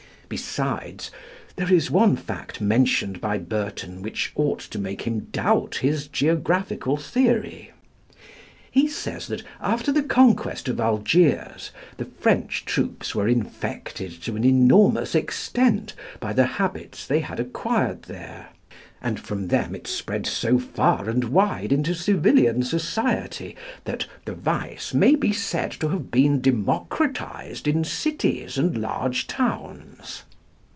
Besides, there is one fact mentioned by Burton which ought to make him doubt his geographical theory. He says that, after the conquest of Algiers, the French troops were infected to an enormous extent by the habits they had acquired there, and from them it spread so far and wide into civilian society that "the vice may be said to have been democratised in cities and large towns."